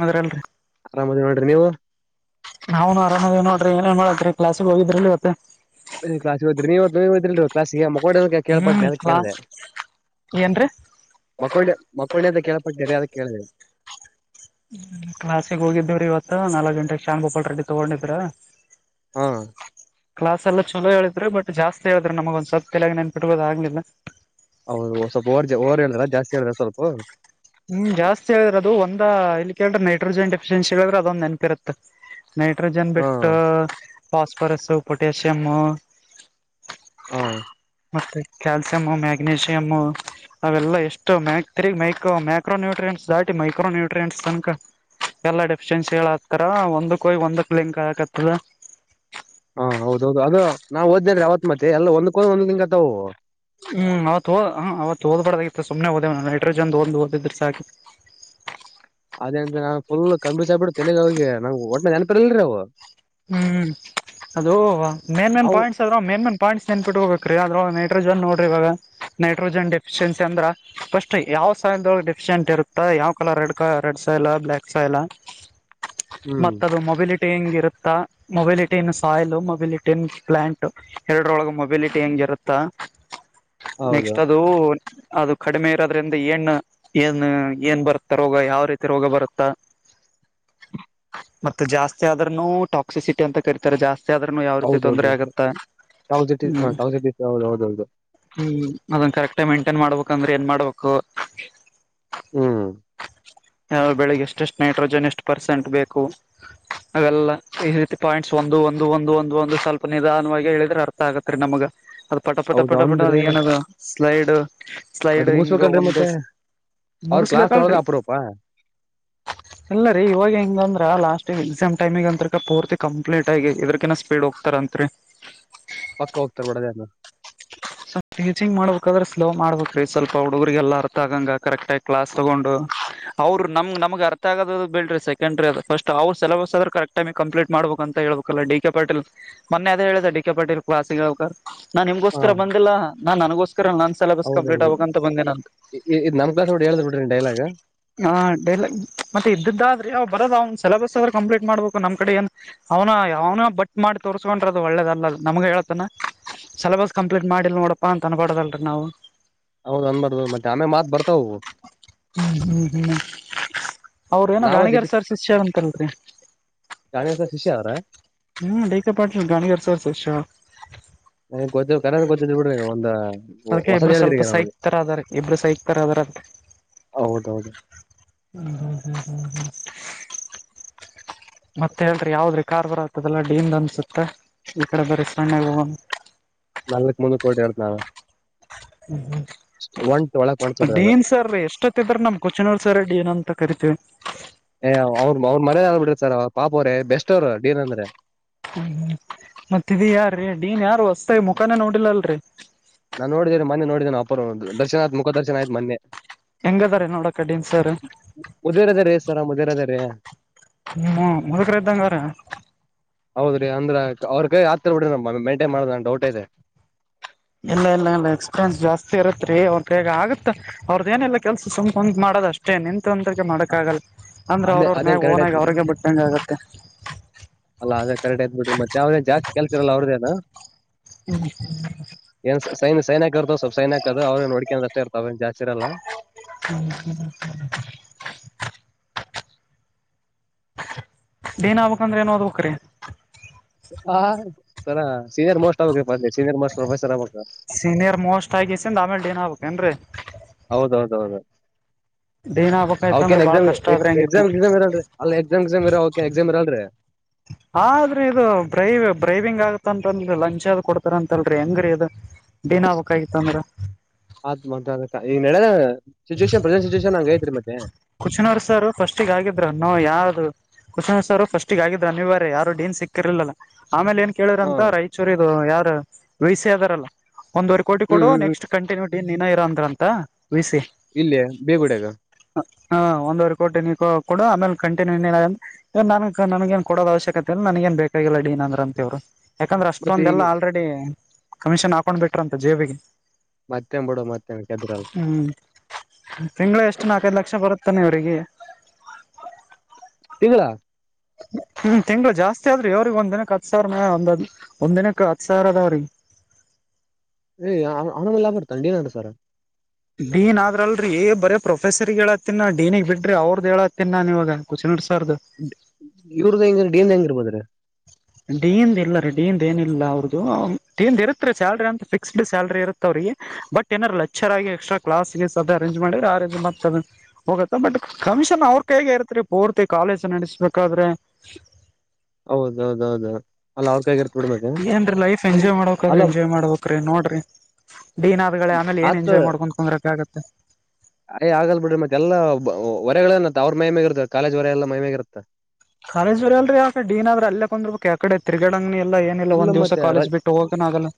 ಮದ್ರಲ್ ರರಿ ಆರಾಮದ ನೋಡ್ರಿ ನೀವು ನಾವುನು ಆರಾಮಾಗಿ ನೋ್ರಿ ಏನ್ ಮಾಡರಿ ಕ್ಲಾಸಿಗೆ ಹೋಗಿದ್ರಲಿ ಮತ್ತೆ ಕ್ಲಾಸ್ ನೀ ಕ್ಲಡ ಕೇಳ್ಪಟ್ಟನೆ ಹ್ಮ್ ಅ ಕ್ಲಾಸ್ ಕೇಳ್ದೆ [unintelligible] ಮಕ್ಕೊಂಡಂಡಿ ಮಕ್ಕೊಂಡಿ ಅಂತ ಕೇಳಳ್ಪಟ್ಟೆರಿಯಾದ ಕೇಳಿದೆ ಸಸಿಗೆ [unintelligible] ಹೋಗಿದ್ದೀವರಿ ಇವತ್ತು ನಾಲ್ಕಕ್ ಗಂಟೆಗೆ ಶಾಮ್ ಭೋಪಾ ರೆಡಿ ತಗೊಂಡಿದ್ರ ಹಾ ಕ್ಲಾಸ್ ಎಲ್ಲ ಚಲೋ ಹೇಳಿದ್ರು ಬಟ್ ಜಾಸ್ತಿ ಹೇಳಿದ್ ನಮಗ ಒಂದ್ಸತ್ ಕೆಲಯಾಗ ನನ್ ಬಿಡ್ಬೋದ ಆಗ್ಲಿಲ್ಲ ಹೌದು ಸ್ವಲ್ಪ ಓರ್ ಜ ರ್ ಇಲ್ದ ಜಾಸ್ತಿ ಹೇಳದ್ರ ಸ್ವಲ್ಪ ಹ್ಮ್ ಜಾಸ್ತಿ ಹೇಳ್ರ ಅದು ಒಂದ ಇಲ್ಲಿ ಕೇಳ್ರ ನೈಟ್ರೋಜನ್ ಡಿಫಿನ್ ಹೇಳಿದ್ರ ಅದಂದ ನೆಪಿರು ನೈಟ್ರೋಜನ್ ಹಾ ಬಿಟ್ಟು ಸ್ಫರಸ್ ಪೊಟ್ಯಾಷಿಯಮ ಹಾ ಮತ್ತೆ ಕ್ಯಾಲ್ಸಿಯಮ್ ಮ್ಯಾಗ್ನಿಷಿಯಮು ಅವೆಲ್ಲಾ ಎಷ್ಟು ಮ್ಯಾಕ್ ತಿಗ್ ಮ ಮೈಕ್ರೋನ್ಯೂ್ರಿಯಂಸ್ ದಾಟ ಮೈ್ರೋ ನ್ ಟ್ರಿಯಂಟ್ಸ್ ತನಕ ಎಲ್ಲಾ ಡೆಫಿಶಿಯನ್ಸಿ ಹೇಳ ಹತ್ತರ ಒಂದ ಕಯ್ ಒಂದ ಲಿಂಕ್ ಆಕತ್ತದ ಹಾ ಹೌದ ಹೌದು ನಾವು ದ್ದೇ ರಾವತ್ತ್ತತ್ ಎಲ್ಲ ಒಂದ್ಕ್ಕೊ ಒಂದ್ ದಿಂಕತವು ಹ್ಮ್ ಅವೋ ಅವತ್ತು ಹೋಬಾರ್ದ ಆ ಸು್ನೆ ಹೋದೇ ನೈಟ್ರೋಜನ್ ತೋಂದು ಓದಿದ್ರ ಸಾಕಿ ಅದೇ ಅಂತ ನಾನ್ ಫುಲ್ ಕಂಬಿ ಸಿ ಬಿ ತೆಲೆಗೆ ಹೋಗಿ ನಾ ಒಟ್ಟಟ ನನಪರ್ ಇಲ್ರಿ ಅವು ಹ್ಮ್ ಅದು ಮೇನ್ ಮೇನ್ ಅವು ಪಾಯಿಂಟ್ಸ್ ಅದ್ರ ಮೇನ್ ಮೇನ್ ಪಾಯಿಂಟ್ಸ್ನ್ ಟ್ಟ ಹೋಗಬೇಕಕ್ ರೀ ಆದ್ರ ನೈಟ್ರೋಜನ [unintelligible] ರರಿವಾಗ ನೈಟ್ರೋಜನ್ ಡಿಫಿಷನ್ಸ ಅ್ರ ಫಸ್ಟ್ ಯಾವ್ ಸಾಯಲ್ಳ ಡಿಫಿಶೆಂಟ್ ಇರುತ್ತಾ ಯಾವ್ ಕಲರ್ ರಡ್ ರೆಡ್ ಸಾಯಲ ಬ್ಲ್ಯಾಕ್ ಸಾಯಲ್ಲ ಹ್ಮ್ ಮತ್ತದು ಮೊಬಿಲಿಟಿ ಹೆಂಗಿರುತ್ತೆ mobility in soil mobility in plant ಎರಡೊಳಗ ಮೊಬಿಲಿಟಿ ಹೆಂಗ ಇರುತ್ತಾ ಹೌದು ನೆಕ್ಸ್ಟ್ ಅದು ಅದು ಕಡಿಮೆ ಇರೋದ್ರಿಂದ ಏಣ ಏನ್ ಏನ್ ಬರುತ್ತಾ ರೋಗ ಯಾವ ರೀತಿ ರೋಗ ಬರುತ್ತಾ [unintelligible] ಮತ್ತೆ ಜಾಸ್ತಿ ಆದ್ರನು ಟಾಕ್ಸಿಸಿಟಿ ಅಂತ ಕರಿತಾರೆ ಜಾಸ್ತಿ ಆದ್ರನು ಯಾವ ರೀತಿ ಹೌದೌದು ತೊಂದರೆ ಆಗತ್ತಾ ಟಾಕ್ಸಿಟಿ ಹ್ಮ್ ಟಾಕ್ಸಿಟಿ ಹೌದು ಹೌದೌದು ಹ್ಮ್ ಅದನ್ ಕರೆಕ್ಟ್ ಮೈಂಟೇನ್ ಮಾಡ್ಬೇಕಂದ್ರ ಏನ್ ಮಾಡ್ಬೇಕು ಹ್ಮ್ ಯ ಬೆಳಿಗ್ಗೆ ಎಷ್ಟೆಷ್ಟು ನೈಟ್ರೋಜನ್ ಎಷ್ಟು ಪರ್ಸೆಂಟ್ ಬೇಕು ಹಾಗೆಲ್ಲ ಈ ರೀತಿ ಪಾಯಿಂಟ್ಸ್ ಒಂದು ಒಂದು ಒಂದು ಒಂದು ಒಂದು ಸ್ವಲ್ಪ ನಿಧಾನವಾಗಿ ಹೇಳಿದ್ರೆ ಅರ್ಥ ಆಗತ್ತರಿ ನಮಗ ಅದು ಪಟ ಪಟ ಹೌದು ಪಟ ಪಟ ಅಂದ್ರೆ ಅದು ಏನದು ಸ್ಲೈಡ್ ಸ್ಲೈಡ್ ಮತ್ತೆ ಹಿಂಗ ಮುಗಿಸ್ಬೇಕಲ್ರಿ ಒಂದೇ ಮತ್ತೆ ಮುಗಿಸ್ಬೇಕೇಕಲ್ರಿ ಹ ಎಲ್ಲರಿ ಇವಾಗ ಹೆಂಗ ಅಂದ್ರ ಲಾಸ್ಟ್ ಎಕ್ಸಾಮ್ ಟೈಮಿಗ ಅಂತಕ ಪೂರ್ತಿ ಕಂಪ್ಲೀಟ್ ಆಗಿ ಇದಕಿನ ಸ್ಪೀಡ್ ಹೋಗ್ತಾರಂತತ್ರಿ ಪಕ್ಕ ಹೋಗತಾರಬಡದೇಏ ಸ್ಪ ಟೀಿಂಗ್ಬೇಕಕ್ಾದ್ರೆ ಸ್ಲೋ ಮಾಡ್ಬೇಕಕ್ ರೀ ಸ್ವಲ್ಪ ಹುಡುಗರಿಗೆ ಎಲ್ಲ ಅರ್ಥ ಆಗಂಗ ಕರೆಕ್ಟ್ ಆಗಿ ಕ್ಲಾಸ್ ತಗೊಂಡು ಅವ್ರರು ನಮ್ ನಮಗೆ ಅರ್ಥ ಆಗೋದದು ಬಿೇಡ್ರಿ ಸೆಕೆಂಡ್ರಿ ಅದು ಫಸ್ಟ್ ಅವ್ರ ಸ ಸಿಲೆಬಸ್ ಆದ್ರೆ ಕರೆಕ್ಟ್ ಟಮ ಕಂಪ್ಲೀಟ್ ಮಾಡಬೇಕ ಅಂತ ಹೇಳ್ಬೇಕಲ್ಲ ಡಿ ಕೆ ಪಾಟೀಲ್ ಮೊನ್ನೆ ಅದ ಹೇಳಿದೆ ಡಿ ಕೆ ಪಾಟಿಲ ಕ್ಲಾಸಿಗೆಲ್ಬೇಕದ್ರ ನಾನ್ ನಿಮ್ಗೋಸ್ಕರ ಬಂದಿಲ್ಲ ನಾನ್ ನನ್ಗೋಸ್ಕರ ನ ಹೌದೌದು ಈ ಇದ್ ನಮ್ ಕ್ಲಾಸ್ ನೋಡಿ ಹೇಳ್ದ್ ಬಿಡ್ರಿ ಡೈಲಾಗ್ ಹ ಡೈಲಾಗ್ ಮತ್ತೆ ಇದ್ದದ್ದಾದ್ರಿ ಅವ್ ಬರದ ಅವ್ನ್ ಸಿಲೆಬಸ್ ಆದ್ರರು ಕಂಪ್ಲೀಟ್ ಮಾಡ್ಬೇಕು ನಮ್ ಕಡೆ ಏನ್ ಅವನಾಯ್ ಅವನ ಬಟ್ ಮಾಡಿ ತೋರ್ಸ್ಕೊಂಡ್ರ ಅದು ಒಳ್ಳೇದ ಅಲ್ಲ ಅದು ನಮ್ಗ ಹೇಳತನ ಸೆಲಬಸ್ ಕಂಪ್ಲೀಟ್ ಮಾಡಿಲ್ ನೋಡಪ್ಪ ಅಂತ ಅನ್ಬಾರ್ದದಲ್ರಿ ನಾವು ಹೌದ ಅಂದ್ಾರ ಮತ್ತೆ ಆಮೆ ಮಾತ್ ಬರ್ತಾವವು ಹ್ಮ್ ಹ್ಮ್ ಹ್ಮ್ ಅವ್ರ ಏನ ನಾವ ಜಗ ರಾಣಿಗರ್ ಸರ್ ಶಿಷ್ಯರ ಅಂತಲ್ರಿ ಗಾಣಿಸ ಶಿಷ್ಯ ಅವ್ರ ಹ್ಮ್ ಡೇಕ ಪಾಡ್ ಗಾಣಗರ್ಸ ಶ ನೀ ಗೊ್ದ ಕ ಗೊ್ದಿದ್ ಬಿಡ್ರಿ ಒಂದ ಅದಕ್ಕೆ ಹೊಸದ್ ಇಬ್ರು ಹೇಳಿದ್ರಿ ಸ್ವಲ್ಪ ಸೈಕ್ ನಾವಗೆ ತರ ಅದಾರ ಇಬ್ರು ಸೈಕ್ ತರ ಅದಾರ ಹೌದೌದು ಹ್ಮ ಹ್ಮ ಹ್ಮ ಹ್ಮ ಹ್ಮ ಮತ್ತತ್ ಹೇಳ್ರಿ ಯಾವ್ದ್ರಿ ಕಾರ್ಬಾರ ಆಗ್ತದಲ್ಲಾ ಡೀನ್ ಅನ್ಸುತ್ತೆ ಈಕಡೆ ಬರ ಸಣ್ಣ ನಾಲಕ್ ಮನಿ ತೊಡ್ಯಾಡ್ತಾಲ್ ಹ್ಮ್ ಹ್ಮ್ ಒಂಟ ಒಳಗ ಹೊಂಡ್ತದದ್ ಎಷ್ಟೊತ್ತಿದ್ರ ನಮ್ ಕೊಚನೋಳ್ ಸರ್ ನ ಡೀನ ಅಂತ ಕರಿತೀವಿ ಏ ಅವ್ ಅವ್ರ ಅವ್ರ ಮರ್ಯಾದಿ ಅಲ್ ಬಿಡ್ರಿ ಸರ ಪಾಪ ಅವ್ರೇ ಬೆಸ್ಟ್ ಅವ್ರ ಡೀನ್ ಅಂದ್ರೆ ಮತ್ತ ಇದ ಯಾರ್ರೀ ಡೀನ್ ಯಾರು ಹೊಸ್ದಾಗಿ ಮುಖಾನೇ ನೋಡಿಲ್ಲಲ್ರಿ ನಾನ್ ನೋಡಿದೇರಿ ಮನ್ನೆ ನೋಡದೆ ನಾ ಅಪರೂ ಅವಂದು ದರ್ಶನ್ ಆಯ್ತ ಮುಖದರ್ಶನ ಆಯ್ತ್ ಮನ್ನೆ ಹೆಂಗದಾರ ನೋಡಕ ಡೀನ ಸರ ಮುದೇರ ಅದೇರಿ ಸರ ಮುದೇರದೇರಿ ಹ್ಮ ಮುದಕರ ಇದ್ದಂಗಾರ ಹೌದ್ರಿ ಅಂದ್ರ ಅವ್ರ ಕೈ ಆ ಹತರ್ ಬಿಡ್ರ ನಮ್ಮ ಮೈಂಟೈನ್ ಮಾಡದ ನ ಡೌಟ್ ಐದೆ ಇಲ್ಲ ಇಲ್ಲ ಇಲ್ಲ ಎಕ್ಸಪೆನ್ಸ್ ಜಾಸ್ತಿ ಇರತ್ರಿ ಅವ್ರ ಕೈಗ ಆಗತ್ತ ಅವರದೇನಿಲ್ಲ ಕೆಲ್ಸ ಸುಮ್ ಕುಂತ ಮಾಡೋದ ಅಷ್ಟೇ ನಿಂತ ತ ತಂತ್ರಿಕ ಮಾಡಕ್ಕ ಆಗಲ್ಲ ಅಂದ್ರ ಅದೇ ಅವ್ರವ್ರ ಅದೇನ್ ಮ್ಯಾಗ ಕರೆಕ್ಟ್ ಓನಾಗ ಆಯ್ತ್ ಅವ್ರಿಗೆ ಬಿಟ್ಟಂಗ ಆಗತ್ತೆ ಅಲ್ಲ ಅದ ಕರೆಕ್ಟ್ ಆಯ್ತಬೀಡ್ರಿ ಮತ್ತ್ಯಾವೇನ ಜಾಸ್ತಿ ಕೆಳಸಿರಲ್ಲ ಅವ್ರದೇನು [unintelligible] ಏನ್ ಸೈನ್ ಸೈನ್ ಹಾಕೋದ ಇರ್ತದ ಸರ್ ಸೈನ್ ಹಾಕುದ ಅವ್ರ ನೋಡ್ಕೊಳುದ ಅಷ್ಟ ಇರ್ತವ ಜಾಸ್ತಿರಲ್ಲ [unintelligible] [inaudible] ಹ ಸರ ಸೀನಿಯರ್ ಮೋಸ್ಟ್ ಆಗಬೇಕ್ರಿಪಾ ಅಂದೆ ಸೀನಿಯರ್ ಮೋಸ್ಟ್ ಪ್ರೊಫೆಸರ್ ಆಗ್ಬೇಕು ಸೀನಿಯರ್ ಮೋಸ್ಟ್ ಆಗಿಿಸಿ ಅಂದ ಆಮೇ ಏನ್ ಹಗ್ಬೇಕುೇನ್ರಿ ಹೌದೌದೌದು ಡೀನ್ ಆಗ್ಬೇಕಾಯ್ತ ಅಂದ್ರ ಅವಕೇನ್ ಬಾಳ ಎಕ್ಸಾಮ್ ಕಷ್ಟ ಆದ್ರೆ ಹೆಂಗಿತ್ತು ಎಕ್ಸಾಮ್ ಎಕ್ಸಾಮ್ ರನ್್ರೀ ಅಲ್ಲ ಎಕ್ಸಾಮ ಎಕ್ಸಾಮ ಇರ ಓೆ ಎಕ್ಸಾಮ ಇರಲ್ರಿ ಆದ್ರಿ ಇದು ಬ್ರೈವ್ ಬ್ರೈವಿಂಗ್ ಆಗತ ಅಂತಲ್ೀ ಲಂಚ್ ಅದ್ ಕೊಡ್ತಾರ ಅಂತಲ್ರರಿ ಹೆಂಗ್ರೀ ಇದು ೇನ್ ಆಗ್ಬೇಕಕ್ಾಗಿತ್ತು ಅಂದ್ರ ಆತ್ ಮ ಈ ನೆದ ಸಿಚುೇಷನ್ ಪ್ರೆಸೆಂಟ್ ಸಿಚುಯೇಷನ್ ಹಂಗ ಐತ್ರಿ ಮತ್ತೆ ಕುಚನೋರ್ ಸಾರು ಫಸ್ಟಗ ಆಗಿದ್ರ ಅನ್ನುೋ ಯಾವ್ದು ಕುಚನೋ್ ಸಾರು ಫಸ್ಟಗ ಆಗಿದ್ರ ನೀವ ಯಾರು ಡನ್ ಸಿಕ್ಕಿರ್ಲಿಲ್ಲಾ ಆಮೇಲೆ ಏನ್ ಕೇಳ್ರ ಹಾ ಅಂತ ರಾಯಚೂರು ಇದು ಯಾರು ವಿ ಸಿ ಅದಾರಲ್ಲ ಒಂದುವವರೆ ಕೋಟಿ ಹ್ಮ್ ಕೊಡು ಹ್ಮ್ ಹ್ಮ್ ನೆಕ್ಸ್ಟ್ ಕಂಟಿನ್ಯೂಟಿಿನ ಇರ ಅಂದ್ರಂತ ವಿ ಸಿ ಇಲ್ಲಯ ಬೇಗುಡ್ಯಗ ಹ ಒಂದೂವರೆ ಕೋಟಿ ನೀ ಕೊಡ ಆಮೇಲೆ ಕಂಟಿನ್ಯೂ ಇ ನನ್ ನನಗ ನ್ ಕೊಡೋದ ಅವಶ್ಯಕತೆ ಇಲ್ಲ ನನಗ ಏ ಬೇಕಾಗಿಲ್ಲ ಡಿಏನಂದ್ರ ಅಂತವರು ಯಾಕಂದ್ರೆ ಮತ್ತೆ ಈಗ ಅಷ್ಟೊಂದೆಲ್ಲ ಅ ಆಲ್ರೆಡಿ ಕಮಿಷನ್ ಹಕೊಂಡ್ ಬಿಟ್ರ ಅಂತ ಜೆಬಿಗೆ ಮತ್ತೇ್ ಬಿಡ ಮತ್ತೆ ಕೆದ್ರಲ್ ಹ್ಮ್ ತಿಂಗಳ ಎಷ್ಟು ನಾಲ್ಕೈದು ಲಕ್ಷ ಬರುತ್ತಾನೆ ಇವ್ರರಿಗೆ ತಿಂಗಳಾ ಹ ತಿಂಗ್ಗಳು ಜಾಸ್ತಿ ಆದ್ರಿ ಅವ್ರಗ್ ಒಂದ್ಿನಕ್ಕೆ ಹತ್ ಸಾವಿರ ಒಂದ್ ಒಂದ ದಿನಕ್ಕೆ ಹತ್ ಸಾವಿರ ಅದಾವ್ರಿಗೆ ಏ್ ಆಮಲೆಲ್ಲಾಭ ಬರ್ತ ನ್ ನಸರ್ ಡೀನ್ ಆದ್ರಲ್ರಿ ಬರೇ ಪ್ರೊಫೆಸರ್ ಹೇಳತ್ತಿನ ಡನ್ಿಗೆ ಬಿಡ್ರಿ ಅವ್ರದ್ದ ಹೇಳತ್ತನ್ ನನ್ ಇವಾಗ ಕುಸಿನಡ್ ಸಾರ್ದು ಇವ್ರದ ಹೆಂಗ ಡನ್ ಹೆಂಗಿರ್ಬೋದ್ರಿ ಡಿ ಇಂದ ಇಲ್ಲ ರೀ ಡಿ ಇಂದ ಏನಿಲ್ಲ ಅವ್ರ್ದದು ಡಿ ಇರುತ್ತ ರೀ ಸ್ಯಾಲ್ರಿ ಅಂತ ಫಿಕ್ಸ್ಡ್ ಸ್ಯಾಲ್ರಿ ಇರುತ್ತ ಅವ್ರಿಗೆ ಬಟ್ ಏನಾರು ಲೆಕ್ರ್ ಆಗಿ ಎಕ್ಸ್ಟ್ರಾ ಕ್ಲಾಸ್ಗೆ ಅೇಂಜ್ ಮಾಡಿದ್ರ ಆ ಹೋಗತ್ತಾ ಬಟ್ ಕಮಿಷನ್ ಅವ್ರ ಕ ಹೇಗೆ ಇರ್ತ್ರಿ ಪೂರ್ತಿ ಕಾಲೇಜ್ ನಡೆಸ್ಬೇಕಾದ್ರೆ ಹೌದೌದೌದು ಅಲ್ಲಿ ಅವ್ರಕಾಗಿರ್ತ ಏನ್ರೀ ಲೈಫ್ ಎಂಜಾಯ್ ಮಾಡಕ್ಾದ್ರೆ ಎಂಜಾಯ್ ಮಾಡ್ಬೇಕಕ್್ರಿ ನೋಡ್ರಿ ಡಿನಾದ್ಗಳೇ ಆಮೇಲೆ ಏನ್ ಆತ್ ಎಂಜಾಯ್ ಮಾಡ್ಕೊಂಡು ಕುಂದರಕ ಆಗತ್ತೆ ಅಯ್ ಆಗಲ್ ಬಿಡ್ರ ಮತ್ತೆಲ್ಲಾ ವ ಹೊರೆಗಳೇಏನತ್ತ ಅವ್ರ ಮೈಮಗ ಇರತ್ತೆ ಕಾಲೇಜ್ ವರೆ ಎಲ್ಲ ಮೈಮಗ ಇರತ್ತ ಕಾಲೇಜ ಬರ ಅಲ್ರಿ ಯಕ ಏನ್ರ ಅಲ್ಲೇಂದ್ಬೇಕು ಯಕ ಕಡೆ ತಿಗಡಂಗ್ ಎಲ್ಲಏನು ಇಲ್ಲ ಒಂದ ದಿವಸ ಮತ್ತೆ ಕಾಲಜ್ ಬಿಟ್ಟು ಹೋಗೋನ್ಾಗಲ್ಲ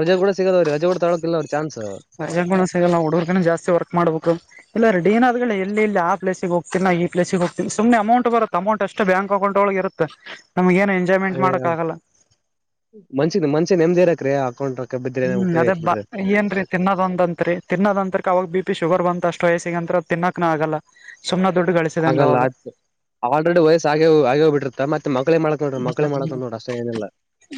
ರಜೆ ಕೂಡ ಸಿಗದ ಅವ್ರೀ ರಜೆ ಕೂಡ ತೊಳೋಕಿಲ್ಲ ಅವ್ರ ಚಾನ್ಸ್ ಸಜ ಸಲ್ಲ ಹುಡುರ್ಗ ಜಸ್ತಿ ವಕ್ ಮಾಡ್ಬೇಕು ಇಲ್ಲ ರ ಡನ್ಾದ್ ಎಲ್ಲಿ ಆ ಪ್ಲೇಿಗೆ ಹೋಗ್ೀನ ನಾ ಪ್ಲೇಸ ಹೋಗತೀನ ಸು್ನೆ ಅಮೌಟ್ ಬರತ್ತ ಅಮೌಂಟ್ಷ್ಟು ಎಷ್ಟ ಬ್ಯಾಕ್ಕೌಟ್ ಒಳ ಇರುತ್ತೆ ನಮ್ ಏ ಅ ಮಂಚ ಮಂಚೆ ನೆಮ್ದಿ ಇರಾಕ್ರೀ ಅಕೌಂಟ್ ಬಿದ್ರೆ ಹ್ಮ್ ಉಪಯೋಗ ಅದೇ ಐತ್ ಬಾ ಬಿಡ್ರಿ ಏನ್ರೀ ತಿನ್ನೋದಂದಂರಿ ತಿನ್ನದಂತ ಅವಾಗ ಬಿ ಪಿ ಶುಗರ್ ಬಂತ ಅಷ್ಟ ವಯಸ್ಸಿಗೆ ಅಂತ ತಿನ್ನೋಕ ಆಗಲ್ಲ ಸುಮಥ ದೊಡ್ಡಡಿ ಆಗಲ್ಲ ಆಯತ ಆಲ್ರೆಡಿ ವಯಸ್ಸ ಆಗ ಆಗೇ್ ಬಿಟ್ಟಿತ್ತ ಮತ್ತೆ ಮಕ್ಳೇ ಮಾಡ ಹ್ಮ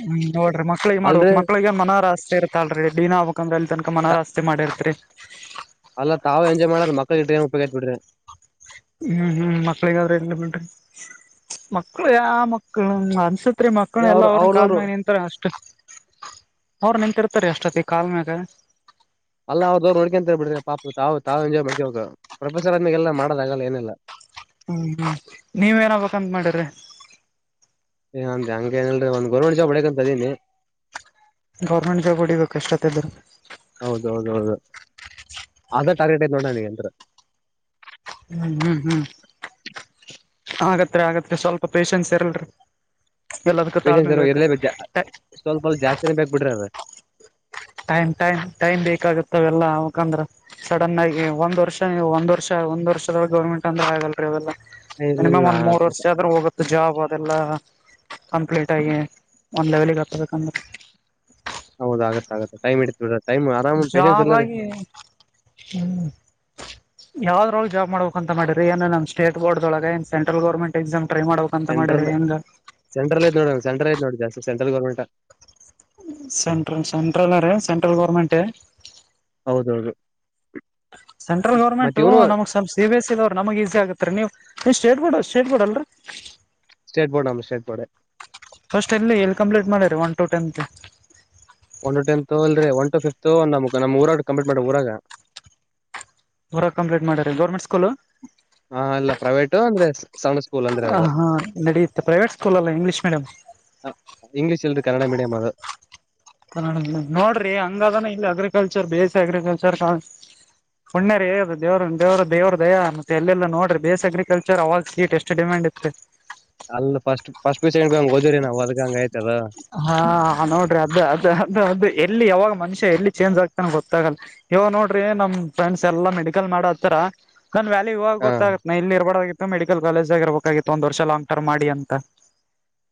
ಹ್ಮ್ ನೋಡ್ರಿ ಮಕ್ಳಿಗೆ ಅಲ್ರಿ ಮಾಡ್ಬೇಕಕ್ ಮಕ್ಳಗ ಮನೋರಾಸ್ತಿ ಇತಲ್ರಿ ದಡಿನಾ ಹಬಕಂಗ ಅಲ್ಲಿ ತನಕ ಮನೋರಾಸ್ತಿ ಮಾಡಿರ್ತ್ರಿ ಅಲ್ಲ ತಾವು ಎಂಜ್ ಮಾಡ್ರ ಮಳ ಇ ಏ ಉಪಯೋಗ ಬಿ್ರಿ ಹ್ಮ್ ಹ್ಮ್ ಮಕ್ಳಿಗಾದ್ರೆ ಎ ಬಟ್ರಿ ಮಕ್ಕಳ ಯ ಮಕ್ಳ ಅನ್ಸತ್ರಿ ಮಕ್ಳ ಏ ಎಲ್ಲ ಅವ್ರ ಅವ್ರನು ಕಾಲ್ ಅವ್ರದವ್ರು ಮೇ ನಿಂತತ್ ಅಷ್ಟ ಅವರು ನಿಂತಿರ್ತಾರೆ ಅಷ್ಟತಿ ಕಾಲ್ ಮ್ಯಾಗ ಅಲ್ಲ ಅವ್ರದವ್ರು ನಡ್ಕಂತೇ ಬಿ್ರ ಪಾಪ ತವು ತಾವು ಎಂಾಯ್ ಮಾಡಕ ಹಬೇಕ ಪ್ರೊಫೆಸರ್ ಅಂದಾಗಗೆಲ್ಲ ಮಾಡದಾಗಲ್ಲ ಏನಲ್ಲ ಹ್ಮ್ ಹ್ಮ್ ನೀವ್ ಏನ್ಬೇಕಂತ ಮಾಡಿ್ರ ್ಂದ ಹಂಗ ಏನಲ್ರಿ ಒ ಗರ್ಮೆಟ್ ಜಾಬ್ ಅಡ ಅಂತದೀನಿ ಗೌರ್ಮೆಂಟ್ ಜಾಬ್ ಹೊಡಿಬೇಕುಷ್ಟೊತ್ತದರು ಹೌದೌದ ಹೌದು ಅದ ಟಾರ್ಗೆಟ್ ಏ ನೋಡಣ ನಿಗ ಎಂದ ಹ್ಮ್ ಹ್ಮ್ ಹ್ಮ್ ಆಗತ್ರಿ ಆಗತ್ರಿ ಸ್ವಲ್ಪ ಪೇಶನ್ಸ್ ಇರಲ್ರಿ ಎಲ್ಲದಕ್ಕೂ ತಾಳ್ಮೆ ಬೇಕು ಸ್ವಲ್ಪಲ್ ಜಾಸ್ತಿೇ ಬೇಕ್ ಬಿ್ರಿ ಅದ ಟೈಮ್ ಟೈಮ್ ಟೈಮ್ ಬೇಕಾಗತ್ತವೆೆಲ್ಲಾ ಅವಕಂದ್ರ ಸಡನ್ ಆಗಿ ಒಂದ್ ವರ್ಷ ನೀವು ಒಂದ್ ವರ್ಷ ಒಂದ ವರ್ಷದಳ ಗವರ್ಮೆಂಟ್ ಅಂದ್ರ ಆಗಲ್ರಿ ಅವಲ್ಲ ನಿಿನಿಮ್ ಇಲ್ಲ ಒಂದ್ ಮೂರ್ ವರ್ಷ ಆದ್ರೂ ಹೋಗೆ ಜಾಬ್ ಅದೆಲ್ಲಾ ಕಂಪ್ಲೀಟ್ ಆಗಿ ಒಂದ್ ಲೆವೆಲ್ಗೆ ಹತ್ತಬೇಕಂದ್ರೆ ಹೌದ ಆಗತ್ತ ಆಗುತ್ತ ಟೈಮ್ ಇತಡ್ರ ಟಮ್ ಆರಾಮ ಪೇಶನ್ಸ್ಲ್ಲರಿ ಹ್ಮ್ ಯಾವ್ದ್ರ ಒಳ ಜಾಬ್ ಮಾಡಬೇಕಕ್ ಅಂತ ಮಾಡಿ ಏ ನಮ್ಮ ಸ್ಟೇಟ್ ಬೋರ್ಡ್ೊಳ ನ್ ಸೆಂಟ್ರಲ್ ಗರ್ಮೆಂ ಎಕ್ಸಾಮ ್ರೈ ಮಾಡ್ಬೇಕಕ್ ಸೆಂ್ರಲ್ ಸೆಂ್ರಲ್ ಐ್ ನೋಡೋ ಸೆಟ್ರಲ್ ಐ ನೋಡಿ ಜಾಸ್ ಸೆಂಟ್ರಲ್ ಗೋರ್ಮೆಂಟ್ ಸೆಂಟ್ರಲ್ ಸೆಂಟ್ರಲ್ ಅ ರ ಸೆಂಟ್ರಲ್ ಗೋರ್ಮೆಂಟ್ ಹೌದೌದು ಸೆಂಟ್ರಲ್ ಮತ್ ಗೌರ್ಮೆಂಟು ಇವನು ನಮ ಸಂ ಸಿ ಎಸ್ ಇಲ್ ಅವರು ನಮಗೆ ಈಸಿ ಆಗತ್ತತ್ ನೀವು ನೀವು ಸ್ಟೇಟ್ ಬೋಡ್ ಸ್ಟೇಟ್ ಬೋಡ್ ಅಲ್ರಿ ಸ್ಟೇಟ್ ಬರ್ಡ್ ನಮ್ಮ ಸ್ಟೇ ಬೋರ್ಡ್ ಫಸ್ಟ್ ಎಲ್ಲಿ ಎಲ್ಲಿ ಕಂಪ್ಲೀಟ್ ಮಾಡಾರೆ one to ten one tenth ಅಲ್ರಿ ಒ ಟ ಫ್ು ನಮ ನಮ ಊರಾಗ ಕಂಪ್ೀಟ್ ಮಾಡ ಊರಾಗ ಹೊರ ಕಂಪ್ಲಟ್ ಮಾಡ ಗರ್ೆಂಟ್ ಸ್ಕೂಲ್ ಹಾ ಅಲ್ಲ ಪ್ರೈವೇಟ ಅಂದ್ರೆ ಸಮ ಹ ಹಾ ನಡೆಯುತ್ತೆ ಪ್ರೈವೇಟ್ ಸ್ಕೂಲ್ ಅಲ್ಲ ಇಂಗ್ಲೀಷ್ ಮೀಡಿಯ್ ಇಂಗ್ಲೀಷ್ ಇಲ್ರಿ ಕನ್ನಡ ಮೀಡಿಯಂ್ ಅದು ಕನ್ನಡ ನೋಡ್ರಿ ಹಂಗಾದಾನ ಇಲ್ಲಿ ಅಗ್ರಿಕಲ್ಚರ್ ಬೇಸ್ ಅಗ್ರಿಕಲ್ಚರ್ ಕ ಹು್ಣ್ಯರೇ ದೇವರು ದೇವ್ರ ದೇವ್ರ ದಯ ಅ ಎಲ್ಲಾ ನೋಡ್ರ ಬೇ ಅಗ್ರಿಕಲ್ಚರ್ ಅವಾಗ ಕೀಟ್ ಎಷ್ಟು ಅಷ್ಟ ಡಿಮ್ಯಾಂಡ್ ಇತ್ತೆ ಅಲ್ಲಿ ಫಸ್ಟ್ ಸ್ಟ್ ಪೀ ಸೆಂಡ್ ಪೀ ಹಗೆ ಹದಿರಿ ನವು ಅದ ಹಂಗ ಆಯತದ ಹಾ ನೋಡ್ರಿ ಅದ ಅದ ಅದ ಅದ ಎಲ್ಲಿ ಯಾವಾಗ ಮನುಷ್ಯ ಎಲ್ಲಿ ಚೇಂಜ್ ಆಗ್ತಾನ ಗೊತ್ತಾಗಲ್ಲ ಇವ ನೋಡ್ರಿ ನಮ್ ಫ್ರೆಂಡ್ಸ್ ಎಲ್ಲಾ ಮೆಡಿಕಲ್ ಮಾಡ ಹತ್ತಾರ ನನ್ ವ್ಯಾಲ ಇವಾಗ ಹಾ ಗೊತ್ತತ್ಾ ಇಲ್ಲಿ ಇರಬೋಾಗಿತ್ತು ಮೆಿಕಲ್ ಕಾಲೇಜ ಆಗ ಇರಬೇಕಾಗಿತ್ತು ಒಂದ ವರ್ಷ ಲಾಂಗ್ ಟಮ್ ಮಾಡಿ ಅಂತ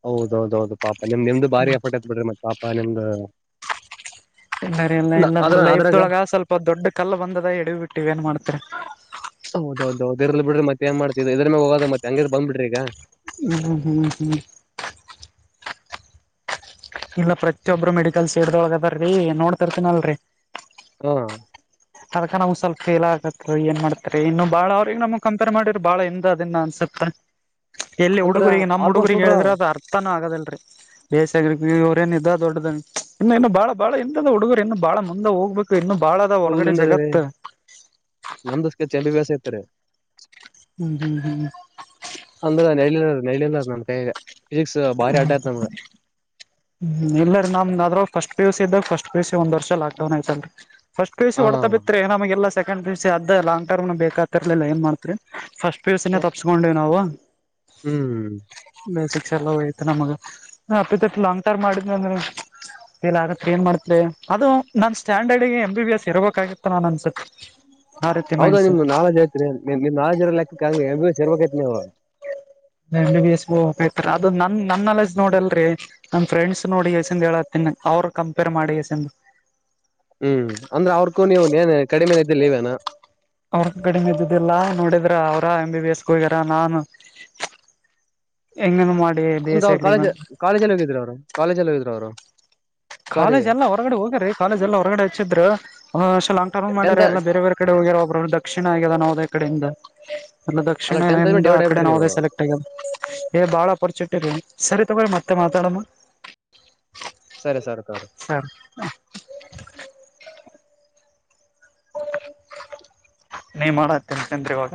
ಹೌದೌ ಹೌದು ಪಾಪ ನಿಮ್ ನಿಮ್ದು ಭಾರಿ ಅಫರ್ಟ್ ಹತ್ ಬಿಡ್ರಿ ಮತ್ತ ಪಾಪ ನಿಮ್ದು ಇಲ್ಲರಿಲ್ಲ ಇ ನಮ್ ಅದ್ರ ಅದ್ರಾಗ ಲೈಫ್ದೊಳಗ ಸ್ವಲ್ಪ ದೊಡ್ ಕಲ್ಲ ಬಂದದ ಎಡವಿ ಬಿಟ್ಟಿವ್ ಏನ್ ಮಾಡ್ತಾರೆ ಹೌದೌದುೌದು ಇರ್ಲ್ಲಿ ಬಿ್ರ ಮತ್ತೇಏನ್ ಮಾಡತಿದ ಇದ್ರ ಮ ಹೋಗದತ್ತ ಹಂಗೇ ಬಂದ ಬಿ್ರಿ ಈಗ ಹ್ಮ ಹ್ಮ ಹ್ಮ್ ಹ್ಮ್ ಇಲ್ಲ ಪ್ರತಿಯೊಬ್ಬರು ಮೆಡಿಕಲ್ಸ್ ಸೇಡ್ದೊಳಗದ್ರೀ ನೋಡ್ತರ್ತನಲ್ರರಿ ಹ್ಮ ಅದಕ ನ್ ಸ್ವಲ್ ಫೇಲ್ ಆಗತ್ ಏ ಮಾಡತರಿ ಇನ್ನು ಬಾಳ ಅವ್ರಗ್ ನಮ್ ಕಂಪೇರ್ ಮಾಡರರು ಬಾಳ ಹಿಂದ ಅದನ್ನ ಅನ್ಸುತ್ತೆ ಎಲ್ಲಿ ಅಂದ್ರ ಹುಡುಗರಿಗೆ ನಮ್ಮ್ ಆಲ್ಮೋಸ್ಟ್ ಹುಡುಗರಿಗೆ ಹುಡ್ರ ಹೇಳಿದ್ರೆ ಅದು ಅರ್ಥನೂ ಆಗದಲ್ರರಿ ಬೇಸಗ್ರ ಅವ್್ರೇಏ ಇದ ದೊಡ್ಡದ ಇನ್ನು ಇನ್ನು ಬಾಳ ಬಾಳ ಇಿಂದದ್ ಹುಡುಗರು ಇನ್ನು ಬಾಳ ಮುಂದೆ ಹೋಗ್ಬೇಕು ಇನ್ನು ಬಹಳ ಫುಲ್ಿಂದ ನಮಸ್ ಚಂಿ ಬ್ಯಾಸ ಇತಾರೆ ಹ್ಮ್ ಹ್ಮ್ ಹ್ಮ ಅಂದ್ರ ನೈಲಿಲ್ಲ ನೈಲಂದ ನಮ ಕೈ ಫಿಸಿಕ್ಸ್ ಬಾರಿ ಆಟ ಆಯತ ನಮ. ಹ್ಮ್ ಇಲ್ಲರಿ ನಮ್ ಅ ಆದ್ರಗ್ ಫಸ್ಟ್ ಪಿ ಯು ಸಿ ಇದ್ದಾಗ ಫಸ್ಟ್ ಪಿ ಯು ಸಿ ಒಂದ್ ವರ್ಷ ಲಾಕ್ಡೌನ್ ಆಯ್ತಲ್ರಿ. ಫಸ್ಟ್ ಪಿಯುಸಿ ಹ ಹೊಡ್ತಾ ಬಿತ್ರಿ ನಮಗೆಲ್ಲೆಕೆಂಡ್ ಪಿಯುಸಿ ಅದು ಲಾಂಗ ಟಮ್ ಬೇಕಕ್ತಿರ್ಲಿಲ್ಲ ಏನ್ ಮಾಡ್ತ್ರಿ ಫಸ್ಟ್. ಪಿ ಯು ಸೀ ನೆ ತಪ್ಪಸ್ಕೊಂಡೇವಿ ನಾವು. ಹ್ಮ್. ಬೇಸಿಕ್ಸ್ ಎಲ್ಲ ಹೋಯ್ತು ನಮಗ ಅಪ್ಪತ್ಪ್ಪ ಲಾಂಗ್ ಟರ್ಮ್ ಮಾಡಿದ್ ಅಂದ್ರ. ಲ್ ಆಗತ್ರಿ ಏನ್ ಮಾಡತ್ರಿ ಅದು. ನಾ ಸ್ಟ್ಯಾಂಡರ್ಡ್ಗೆ ಎಂ ಬಿ ಎಸ್ ಇರಬೇಕಾಗಿತ್ತು ನಾನನ್ ಅನ್ಸೆ ಹೌದಾ ನಿಮ್ ನಳಜ್ ಐತ್ರಿ ನಿಮ ನಾೆ್ ಇರ ಲೆಕ್ಕಂಗ ಸೇರ್ಬೇಕೈತಿ ನೀಾವು ನ ಬಸ್ಬ್ತರ ಅದು ನನ್ ನನ್ನಲ್ಲ್ ನೋಡಲ್ರಿೀ ನನ್ ಫ್ರೆಂಡ್ಸ್ ನೋಡಿ ಎಸಿಂದ ಹೇಳತ್ತಿನಿ ಅವ್ರರು ಕಂಪೇರ್ ಮಾಡಿ ಎಸಂದ ಹ್ಮ್ ಅಂದ್ರೆ ಅವ್ರಕೂ ನೀವು ೇನ್ ಕಡಿಮೆ ನ ಇದ್ದಲ್ಲಿ ಇವೇನ ಅವ್ರಗ ಕಡಿಮೆ ಇದ್ದುದಿಲ್ಲಾ ನೋಡಿದ್ರ ಅವ್ರ ಎ್ ಬಿ ಬಿ ಎಸ್ಗೆ ಹೋಗ್ಯಾರ ನಾನು ಎಂಗನು ಮಾಡಿ ಬಿ ಅಂತ ಎಸ್ ಸಿ ಅವರು ಅಗ್ರಿ ಕಾಲೇಜ ಬಂದ್ ಕಾಲೇಜಲ್ಲಿ ಹೋಗಿದ್ರರು ಅವ್ರು ಕಾಲೇಜಲ್ಲಿ ಹೋಗಿದ್ರು ಅವ್ರು ಸಾರಿ ಕಾಲೇಜ್ ಎಲ್ಲ ಹೊರಗಡೆ ಹೋಗರಿ ಕಾಲೇಜ ಎಲ್ಲ ಹೊರಗಡೆ ಹಚ್ಚಿದ್ರ ಲಾಂಗ್ ಟರ್ಮ್ ಮಾಡ್ಯಾರೆ ಟೆಂತ್ ಎಲ್ಲ ಬೇರೆ ಬೇರೆ ಈ ಕಡೆ ಹೋಗಿರೋ ಒಬ್ಬ್ರರು ದಕ್ಷಿಣ ಆಗ್ಯದ ನಾವುದೇ ಕಡೆಯಿಂದ ಅ ಅಲ್ಲ ಟೆಂತ್ ದಕ್ಷಿಣೆಯಿಂದ ಆ ಡಿವೈಡ್ ಕಡೆ ಆಗ್ಬಿಟ್ರಿ ನೀವು ನಾವುದೇ ಸೆಲೆಕ್ಟ್ ಏ ಬಾಳ ಅಪರ್ಚುನಿಟಿ ಇ ಸರಿ ತಗ್ರಿ ಮತ್ತೆ ಮಾತಾಡಮ್ಮ ಸರಿ ಸರ್ ಸ ಸರ್ ನೀ ಮಾಡತ್ತೀನಂತಂದ್ರ ಇವಾಗ